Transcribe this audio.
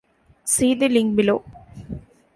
See the link below.